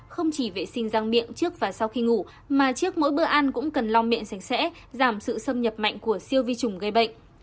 không chỉ vệ sinh răng miệng trước và sau khi ngủ mà trước mỗi bữa ăn cũng cần long miệng sạch sẽ giảm sự xâm nhập mạnh của siêu vi trùng gây bệnh